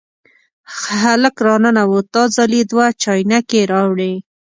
هلک را ننوت، دا ځل یې دوه چاینکې راوړې.